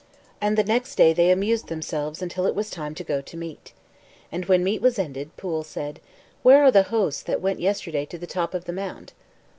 And the next day they amused themselves until it was time to go to meat. And when meat was ended, Pwyll said, "Where are the hosts that went yesterday to the top of the mound?"